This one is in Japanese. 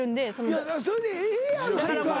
それでええやないかい。